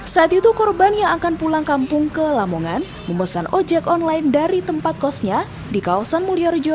saat itu korban yang akan pulang kampung ke lamongan memesan ojek online dari tempat kosnya di kawasan mulyorejo